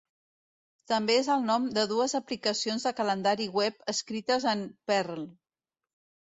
També és el nom de dues aplicacions de calendari web escrites en Perl.